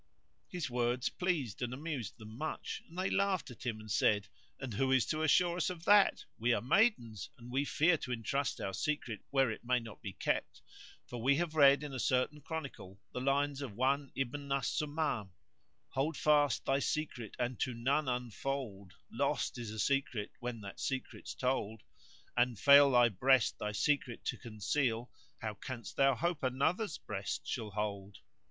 His words pleased and amused them much; and they laughed at him and said, "And who is to assure us of that? We are maidens and we fear to entrust our secret where it may not be kept, for we have read in a certain chronicle the lines of one Ibn al Sumam:— Hold fast thy secret and to none unfold * Lost is a secret when that secret's told An fail thy breast thy secret to conceal * How canst thou hope another's breast shall hold?